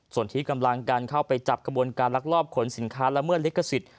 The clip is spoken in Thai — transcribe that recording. ส่วนที่กำลังการเข้าไปจับกระบวนการลักลอบขนสินค้าละเมิดลิขสิทธิ